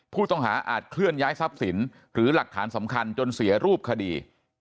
อาจเคลื่อนย้ายทรัพย์สินหรือหลักฐานสำคัญจนเสียรูปคดี